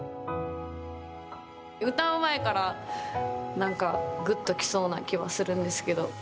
歌う前から何かグッと来そうな気はするんですけど。